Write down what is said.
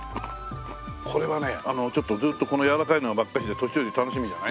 これはねちょっとずっとこのやわらかいのばっかしで年寄り楽しみじゃない？